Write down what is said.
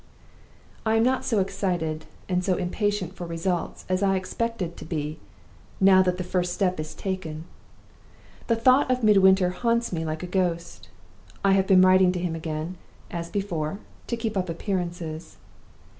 "I am not so excited and so impatient for results as I expected to be, now that the first step is taken. The thought of Midwinter haunts me like a ghost. I have been writing to him again as before, to keep up appearances.